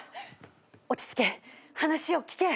「落ち着け。